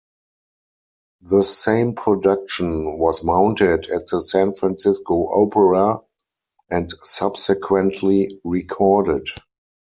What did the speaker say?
The same production was mounted at the San Francisco Opera and subsequently recorded.